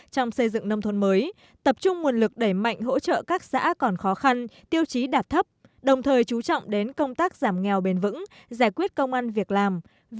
trong xây dựng nông thôn mới tập trung nguồn lực đẩy mạnh hỗ trợ các xã còn khó khăn tiêu chí đạt thấp đồng thời chú trọng đến công tác giảm nghèo bền vững giải quyết công an việc làm